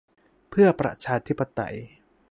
เพื่อประชาธิปไตย